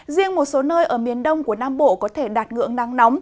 riêng một số nơi ở miền đông của nam bộ có thể đạt ngưỡng nắng nóng